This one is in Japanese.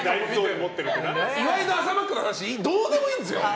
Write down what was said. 岩井の朝マックの話どうでもいいんですよ！